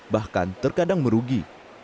bahkan terkadang merugi